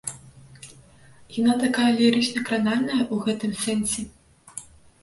Яна такая лірычна-кранальная ў гэтым сэнсе.